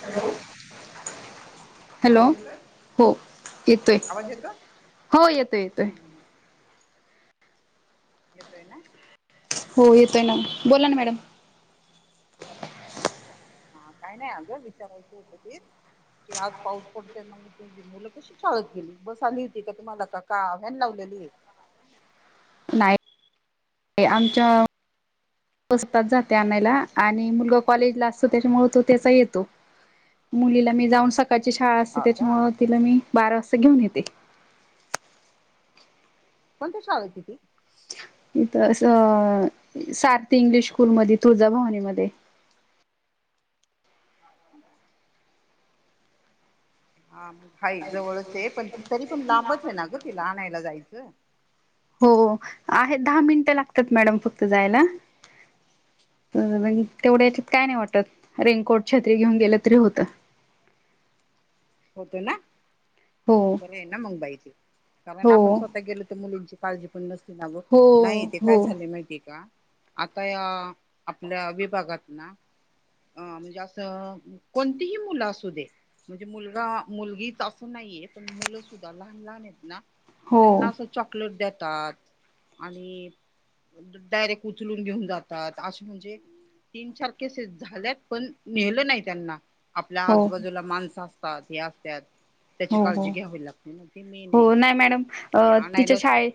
Hello. Hello आवाज येतोय हो येतोय, आवाज येतोय हो येतोय येतोय. हम्म येतोय ना. हो येतोय ना, बोला ना मॅडम. हा, काय नाही अगं, विचारायचं होतं तेच, की आज पाऊस पडतोय म मुलं कशी चालत गेली, बस आली होती का तुम्हाला का, का व्हॅन लावलेली आहे. नाही आमच्या पसतात जाते आणायला, आणि मुलगा कॉलेज ला असतो त्याच्यामुळे तो त्याचा येतो. मुलीला मी जाऊन सकाळची शाळा असते, हा का त्याच्यामुळे तिला मी बारा वाजता घेऊन येते. कोणती शाळा आहे तीची? इथ असं, सारथी इंग्लिश स्कूल मधे तुळजाभवनीमध्ये. हा, हाय जवळच आहे पण तरी पण लांबच आहे ना ग तीला आणायला जायचं. हो आहेत, दहा मिनटं लागतात मॅडम फक्त जायला. तेवढ्या याच्यात काय नाही वाटत, रेनकोट छत्री घेऊन गेलं तरी होतं. होतो ना, हो बरे आहे ना मग बाई, कारण आपण हो स्वतः गेलो तर मुलींची काळजी पण नसते ना गं, हो नाही ते काय हो झालेय माहितीय का? आता या आपल्या विभागात ना अ म्हणजे असं, कोणतीही मुलं असू दे म्हणजे मुलगा मुलगीच असं नाहीये, मुलं सुद्धा लहान लहान आहेत ना हो त्यांना असं चॉकलेट देतात, आणि डायरेक्ट उचलून घेऊन जातात असे म्हणजे, तीन चार केसेस झाल्यात पण, नेलं नाही त्यांना, आपल्या हो आजूबाजूला माणसं असतात हे असत्यात त्याची हो हो काळजी घ्यावी लागते, ते मेन य. हो नाही मॅडम, अ तिच्या शाळेत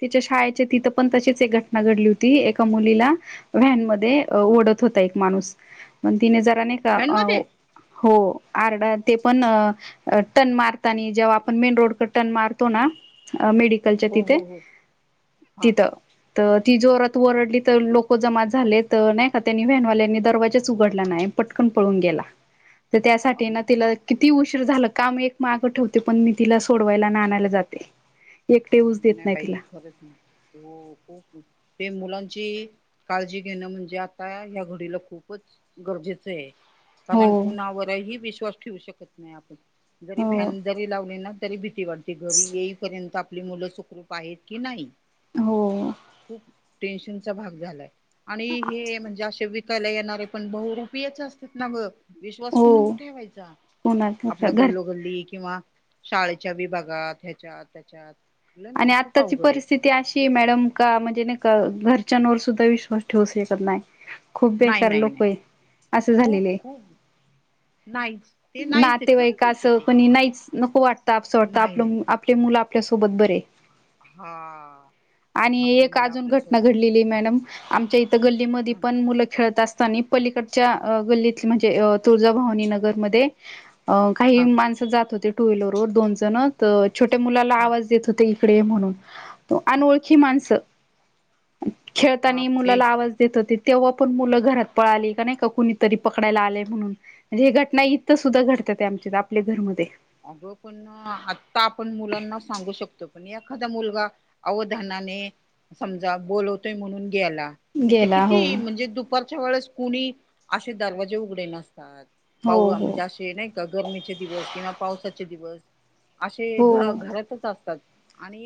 तिच्या शाळेचे तिथं पण तशीच एक घटना घडली होती, एका मुलीला व्हॅन मध्ये ह ओढत होता एक माणूस,, पण तिने जरा नाही का व्हॅन मध्ये हो आरडा ते पण टन मारता नी जेव्हा आपण मेन रोडक टर मारतो ना मेडिक कलच्या हो तिथे हो हो हा तिथं. त ती जोरात वरडली तर लोक जमा झाले तर नाही का त्यांनी व्हॅनवाल्यांनी दरवाजाच उघडला नाही. पटकन पळून गेला. ह [inaudible] तर त्यासाठी ना तिला किती उशीर झालं काम एक मागं ठेवते पण मी तिला सोडवायला ना आणयला जाते एकटेऊच देत नाही तिला. खरंच ना. हो खूप ते मुलांची काळजी घेणं म्हणजे आता ह्या घडीला खूपच गरजेचं आहे. हो कारण कुणावरही विश्वास ठेवू शकत नाही आपण, जरी हो व्हॅन जरी लावली ना तरी भीती वाढती घरी येईपर्यंत आपली मुलं सुखरूप आहेत की नाही. हो खूप टेनशनचा भाग झालाय आणि हे म्हणजे अशे वि कायला येणारे पण बहुरूपीयेच असतात ना ग. विश्वास कुणा हो ठेवायचा आपला कोणाच्या घर गल्लोगल्ली किंवा शाळेच्या विभागात ह्याच्यात त्याच्यात. लय आणि म्हणजे खूप आत्ताची अवघड आहे परिस्थिती ती अशीये मॅडम का म्हणजे नाही का घरच्यांवर सुद्धा विश्वास ठेवू शकत नाही. खूप नाही बेकार नाही लोक नाही आहे असं खूप झालेलं आहे. खूप नाहीच. ते नाहीच आहे नातेवाईका खरंचच आहे असं ते कोणी नाहीच नको वाटतं आपं वाटतं नाही आपलं आपले मुलं आपल्यासोबत बरे. हा आणि आपली एक मुलं अजून घटना आपल्यासोबत घडलेली आहे मॅडम आमच्या इथं गल् ली मधी ह हा पण मुलं खेळत असतानी पलीकडच्या गल्लीत म्हणजे तुळजाभवानी नगर मधे काही हा माणस जात होते टू व्हीलर वर दोन जण त छोट्या मुलाला हा आवाज देत होते इकडे ये म्हणून अनओळखी माणसं. खेळतानी बापरे मुलाला आवाज देत होतीत तेव्हा पण मुलं घरात पळाली का नाही का कुणीतरी पकडाला आलाय म्हणून. म्हणजे हे घट नाही इथं सुंद्धा घडतात आमच्यथ आपल्या घरमध्ये. अगं पण आत्ता आपण मुलांना सांगू शकतो पण एखादा मुलगा अवधानाने समजा बोलवतोय म्हणून ग्याला त ते गेला हो किती म्हणजे दुपारच्या वेळेस कुणी असे दरवाजे उघडे नसतात. पाऊ हो हो म्हणजे अशे नाही का गरमीचे दिवस किंवा पावसाचे दिवस. अशे घ हो घरातचं असतात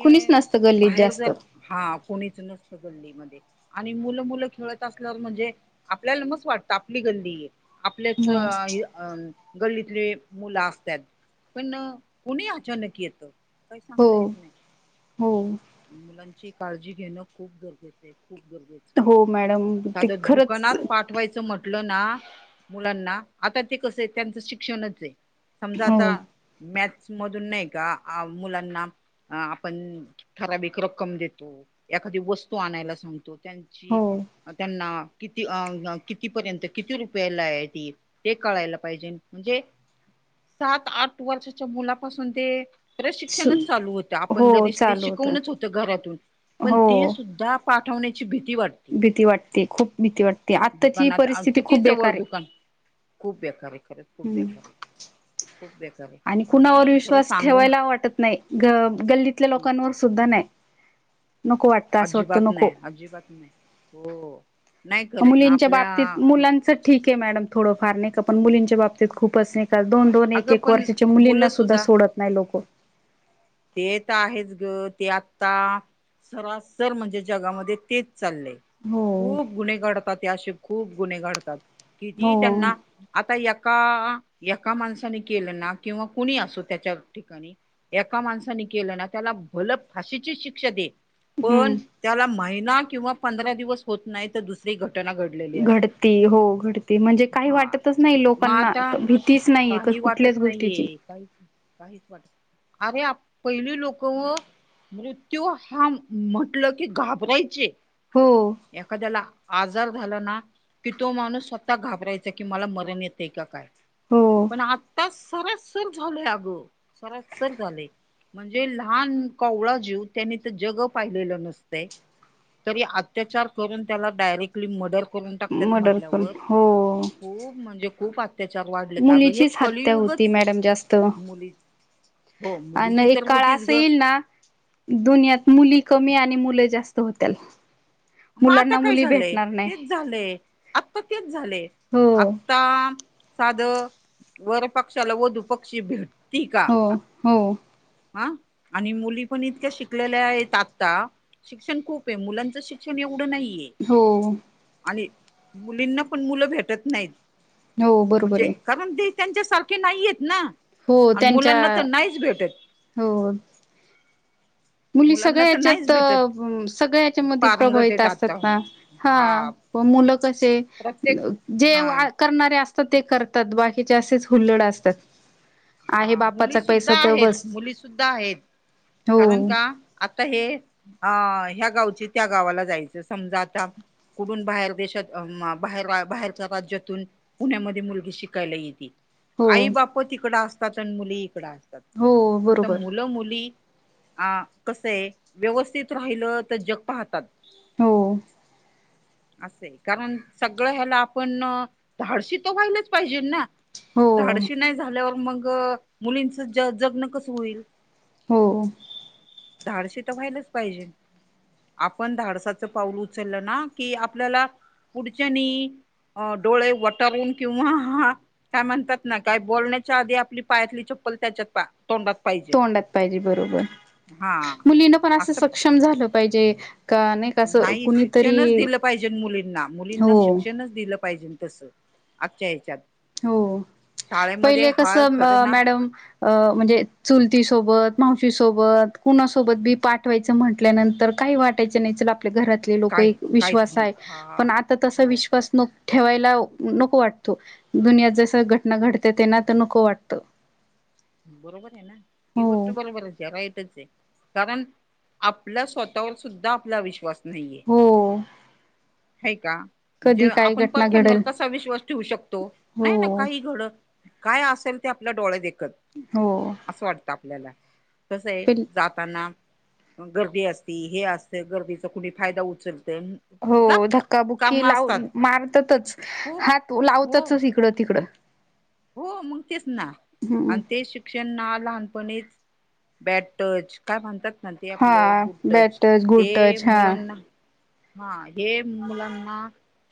कुणीच नसतं गल्लीत बाहेर जास्त जर हां कोणीचं नसतं गल्ली मध्ये. आणि मुलं मुलं खेळत असल्यावर म्हणजे आपल्याला मच वाटतं आपली गल्ली. आपल्याच हो अ गल्लीतली मुलं असत्यात. पण कोणीही अचानक येतं काही सांगता हो येत नाही. हो मुलांची काळजी घेणं खूप गरजेचं आहे खूप गरजेचं. हो मॅडम ते खरंच वाचाय म्हटलं नां मुलांना आता ते कसं हाय त्यांच शिक्षणचं हायं समजा हो मॅथ्स मधून नाही का आ मुलांना आपण ठराविक रक्कम देतो एखादी वस्तू आणायला सांगतो त्यांची हो अ त्यांना. कितीं अ अ कितींपर्यंत कितीं रुपयाला आहे ती ते कळायलां पाहिजे म्हणजे. सातं-आठं वर्षाच्या मुलापासून तेअ- सु प्रशिक्षणचं चालू होतं हो आपण, जरी ते चालू होत शिकवूनंच होतं घरातून पणं हो ते सुद्धां - पाठवण्याचीई भीतीअ वाटते. - भीती वाटते खूपं भीती वाटते, आत्तांची दुकानात परिस्थिती किती खूपं जवळ बेकार आहे. दुकान खूप बेकार आहे. खरंच खूप हम्म बेकारं आहे खूप बेकारौ आहे. आणि कुणावर खरं विश्वास सांगून ठेवायला वाटत नाही. ग गल्लीतल्याय लोकांवर सुद्धां नाही नको वाटतं. असं वाटतं अजिबांत नको नाही अजिबांत नाही हों. मुलींच्या बाबतीत मुलांच ठीक आहे, मॅडम थोडंफार नाही कां पण मुलींच्या बाबतीत खूपंच असं नाही. दोंन-दोनं, अगं ऐकं-ऐकं पण वर्षाच्या मुलींना मुलं सुद्धां सोडत नाही लोकं. - तेअ तर् आहेच गं ते आतां सरासर म्हणजे जगामध्ये तेचं चाललंय्. हो खूंप गुन्हे घडतातं. याशि खूपं गुन्हे घडतात अ कितीअ हो त्यांनां. आतां ऐकाअ-ऐकाअ माणसाने केलं नां किंवा कुणी असो त्यांच्या ठिकाणी. एका माणसानी केलं नां, त्याला भल फाशीची शिक्षा दे पणं. हम्म त्याला अ महिना अ किंवा पंधरा दिवस होतं नाही, तर् दुसरी घटनां घडती. घडती हो घडती म्हणजे काही हा वाटतचं नाही लोकांना भीतीचं नाही कुठंली. तसंवाटत नांहीये काही काहीचं [inaudible] आम्ही पहिली लोकं. मृत्यूं हांम म्हटलं की घाबरायची. हो. एखाद्याला आजार झाला ना. कि तो माणूस स्वंतः घाबरायचां की मला मरणं येते कां कायं. हो पणं आत्तां सरांसरं झालेया अगं. तसच झाले म्हणजे लहांन कवळा जीव त्यानी तर जग पाहिलेलं नसतंय. तरीं अत्यांचार करून त्याला डायरेक्टं. आणी मर्डंर करून टाकतातं. मर्डर पण म्हटल्यावर खूपं म्हणजे खूपं हाती- मुलीचीचं हत्या होती, मॅडम जास्तं. मुली हो आणि मुलीची ऐकं तर काळं होतीच ग असां येईल नां. दुनियात मुली कमी, आणि मुलं जास्त होत्याल. मग आता मुलांना काय मुली झालंय भेटणार नाही तेचं झालंय आत्तां तेचं झालेय. हो आता साधं वरं पक्षांला वधूं पक्षी भेटंना टीकां हो हो हांअं आणि मुली पण इतक्यां शिकलेल्या आहेतं आतां. शिक्षण खूपं आहे. मुलांचं शिक्षणं एवढं नाहीये. हो. आणि मुलींना पण मुलं भेटत नाहीत हो बरोबर म्हणजे. आहे कारण ते त्यांच्यासारखे नाहीयेत ना, हो आणि त्यांच्या मुलांना तर नाहीच भेटत. हो. मुली मुलांना सगळ्या तर नाहीच हेच्यात भेटत सगळ्या यांच्यामध्ये पारंगत प्रभावित आहेत असतात आता ना हा. मग मुलं कसे प्रत्येक हा जे- करणारे असतातं ते करतातं बाकीचे असेचं हुल्ंड असतातं. हो मुलीसुद्धां आहेत, बस मुलीसुद्धां आहेतं हो कारण कां. आतां हेचं अ ह्या गावचे त्यां गावाला जायचं समजां आतां. कुठून बाहेर देशात बाहेर बाहेरच्या राज्यातून. पुण्यामध्ये मुलगी शिकायला येते हो आई बाप तिकड असतात आणि मुली इकड असत. हो बरोबर. मुली. अ कसय व्यवस्थित राहिलं तर जग पाहतात. हो. असं कारण सगळं ह्याला आपण धाडशी तो व्हायलाच पाहिजे ना. हो धाडशी नाही झाल्यावर मग मुलींच ज जगण कस होईल. हो. धाडशी तर व्हायलाच पाहिजे. आपण धाडसाच पाऊल उचललं ना कि आपल्याला पुढच्यानी. अ डोळे वटरून किंवा हा काय म्हणतात ना काय बोलण्या. च्या आधी आपली पायातली चप्पल त्याच्यात पा. तोंडात पाजे. तोंडात पाहिजे बरोबर मुलीन पण असं सक्षम झालं पाहिजे का नाही. का असं नाही कुणीतरी शिक्षणच दिलं पाहिजे मुलींना मुलींना हो शिक्षणच. दिलं पाहिजे तस आजच्या ह्याच्यात. हो शाळेमध्ये पहिले कस हा खरं ना मॅडम. अ म्हणजे चुलतीसोबत मावशीसोबत कुणासोबत बी पाठवायचं म्हटल्यानंतर काही वाट. ाय नाही च आपल्या घरातले लोक काय काहीच विश्वास नाही आहे हा पण आता तसा हो विश्वास नक. ठेवायला नको वाटतो. दुनियात जस घटना घडते तेना तर नको वाटतं. बरोबर आहे ना ही हो गोष्ट बरोबर आहे ज राईटच आहे. कारण आपला स्वतःवर सुद्धा आपला विश्वास. नाहीे हो ह का. म्हणजे कधी काय आपण घटना परख्यांवर घडल कसा विश्वास ठेवू शकतो हो नाही ना काही घडत. काय असेल ते आपल्या डोळे खत. हो. असं वाटतं आपल्याला कसं आहे प जात. ताना गर्दी असती हे अस गर्दीचा कुणी फायदा उचलत.. हो लाख धक्काबुक्की कारण लाव असतात मारतातच खूप हात हो लावतातच इकडं तिकडं. हो मग तेच ना हम्म आणि ते शिक्षण ना लहानपणीच बॅट. टच काय म्हणतात ना ते आपलं हा गुड बॅट टच ते गुड टच हा मुलांना. हा हे मुलांना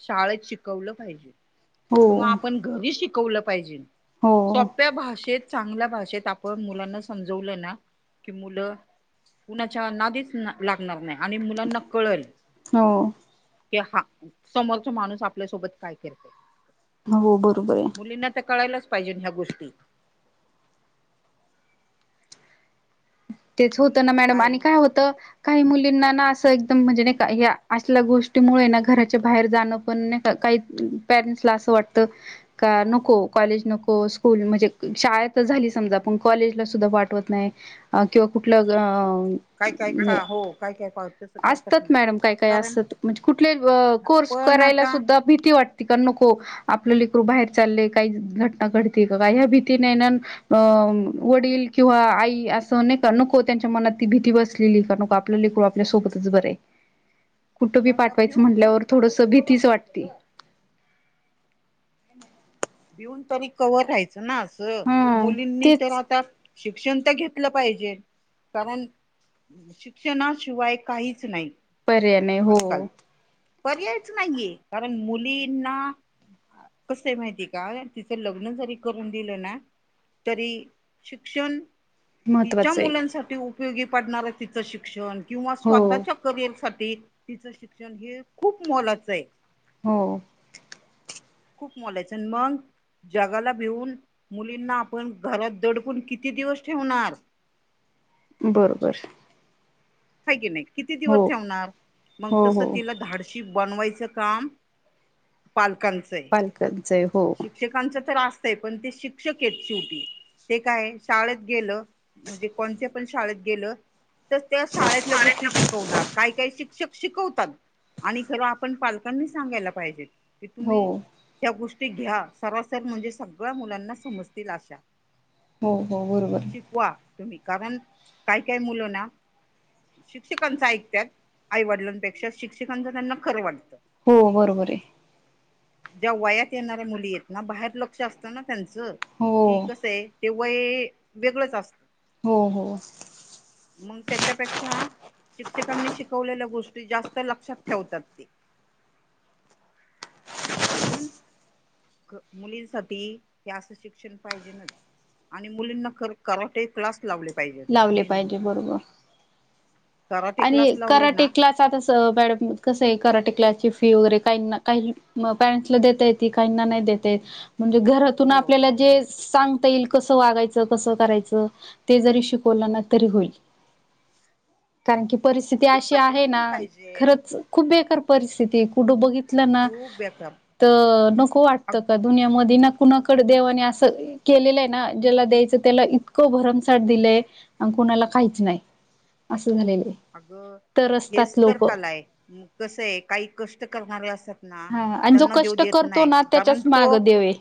शाळेत शिकवलं पाहिजे हो किंवा आपण. घरी शिकवलं पाहिजे हो सोप्या भाषेत. चांगल्या भाषेत आपण मुलांना समजवलं ना की मुलं. कुणाच्या नादीच लागणार नाही आणि मुलांना कळेल. हो. कि हा समोरचा माणूस आपल्यासोबत काय करते. हो बरोबर आहे. कळायलाच पाहिजे ह्या गोष्टी. तेच होत ना मॅडम आणि काय होत. काही मुलींना ना असं एकदम म्हणजे नाही का या असल्या गोष्टीमुळे ना घराच्या बाहेर जाणं पण नाही का काही. पॅरेंट्स ला असं वाटतं. का नको कॉलेज नको स्कूल म्हणजे शाळेत झाली समजा पण कॉलेजला सुद्धा वाट. ठवतं नाहीं किंवा कुंठलं. काय काय का हो काय काय का तसं करतात असतांत ना मॅडम कायं कायं कारण असतं म्हणजे कुंठले अं. कोर्स पण करांयला आता सुद्धां पणं भीती वाटते कां नको. आपलं लीकरूं बाहेर चालले कांहीं घटनां घडती कां कां ह्यां भीतीने नां. अं वडील किंवा आई असं. नाहीं कां नको त्यांच्या मनांत ती भीती बसलेली कां नको आपलं ललेक आपल्या सोबतंच बरं आहे. कुठं बी पण पाठवायचं भिऊन तरी म्हटल्यांवर जगाशी थोडंसं कवर भीतीचं राहायचं वाटते. ग नाही भिऊन तरी कंवर राहायचं नांस. हा मुलींनी तरं तेच आताचं शिक्षणं तरं घेतलं पाहिजे कारणं. शिक्षणां शिवांय कांहीं चं नाहीं. पर्यायाने नाहीं हो. पर्यायचं नाहींये कारणं मुलींना. कसं आहे माहितीय कां तिचं लग्नं जरी करूंन दिलं नां. तरी शिक्षणं. तिच्यां महत्त्वाचं आहे मुलांसाठी उपयोगी पडणारं तिचं शिक्षणं किंवा हो स्वंतःच्या. करियरं साठी तिचं शिक्षणं हे खूंप मोलाचं आहे. हो. खूंप मोलायचं मंग. जगांला भेऊन मुलींना आपणं घरांत दडकूंन किती दिवसं ठेवणारं. बरोबरं. कां की नाहीं किती दिवसं ठेवणारं मंग हो तसं हो तिलां धांडस. बनवायचं कामं पालकांनी चं. पालक जायं हो. शिक्षकांच तरं असतंय पणं ते शिक्षक आहेतेत शेवटी ते कायं शाळेंत गेलो. म्हणजे कोणत्यां पणं शाळेत गेलं तरं त्यां शाळेतल्यां गोष्टी शिकवणांर कायं कांहीं शिक्षक. शिकवतांत आणि खरं आपणं पालकांनी सांगायला पाहिजे की हो तुम्हीं. त्यां गोष्टी घ्यां सरांसर म्हणजे सगळ्यां मुलांना समजतील आशां. हो हो बरोबर आहे. वां रिकांम्या तुम्हीं कारणं कांहीं काय मुलं नां. शिक्षकांच ऐकत्यांत आईवडिलांपेक्षा शिक्षकांच त्यांना खरं वाटतं. हो बरोबर आहे. ज्यां वायांत येणाऱ्ंया मुली आहेतं नां बाहेर लंक्ष असतं नां त्यांचं कि हो कसं आहे. ते वयं वेगळंच असतं. हो हो. मंग त्यांच्यापेक्षा शिक्षकांनी शिकवलेल्यां गोष्टी जास्तं लक्षांत ठेवतांत ते. म्हणूंन. मुलींसाठी हे असं शिक्षण पाहिजे नचं आणि मुलींना करं करांटे. क्लांस लावले पाहिजेत लावले मेन पाहिजे मुळांत. बरोबर आणि कराटे ना क्लांस त्यांचं कसं आहे करायचं टिकल्यांची फी वगैरे कांहींना कांहीं पॅरेंट्सला देतांय. ती कांहींना नाहीं देतां येतं म्हणजे घरांत. घरांतून तिथूंन हो आपल्यां लां जे सांगता येईल कसं वागायचं कसं करायचं. चिकला नां तरी होईल. कारणं की परिस्थिती खूपच अशी पाहिजे. आहे पण नां पाहिजे खरंच खूंप बेकांर परिस्थिती कुठे बघित. ना़ं खूप बेकार तरं नको वाटतं कां दुनियामध्यें नां कुणांकडे देवांने असं. केलेलंय ना ज्याला द्यायचं त्याला इतकं भरमसाठ दिलंय आणि कुणाला काहीच नाही. असं झालेलं आहे. अगं तर हेच असतात तर लोक कला आहे कसं आहे काही कष्ट करणारे असतात ना हा आणि जो त्यांना देव कष्ट देत करतो नाही ना कारण त्याच्याच तो माग देव आहे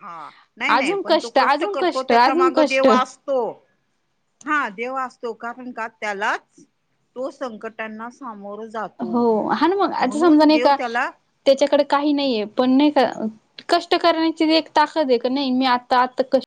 हा नाही नाही अजून पण तो कष्ट अजून करतो त्याच्या अजून माग कष्ट देव आस तो हा देव असतो कारण का त्याला तो संकटांना सामोर जातो हो हा ना मग आता समजा म्हणून नाही देव का त्याला त्याच्याकडे काही नाहीये पण नाही का, कष्ट करण्याची जी एक ताकद आहे का नाही मी आता आता क